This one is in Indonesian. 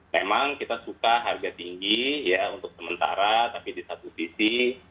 memang kita suka harga tinggi ya untuk sementara tapi di satu sisi